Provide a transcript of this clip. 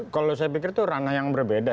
kalau saya pikir itu ranah yang berbeda